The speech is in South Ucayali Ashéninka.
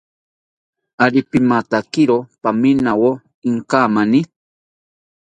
Ari pimatakiro pamakinawo inkamani